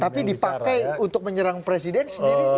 tapi dipakai untuk menyerang presiden sendiri